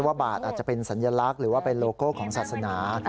บาทอาจจะเป็นสัญลักษณ์หรือว่าเป็นโลโก้ของศาสนา